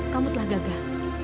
kamu telah gagal